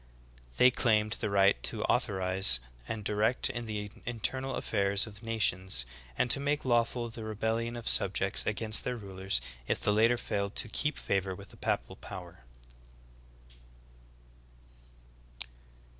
"^ They claimed the right to authorize and direct in the internal affairs of nations, and to make lawful the rebellion of subjects against their rulers if the latter failed to keep favor with the papal power.